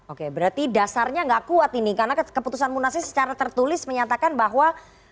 oke berarti dasarnya nggak kuat ini karena keputusan munasnya secara tertulis menyatakan bahwa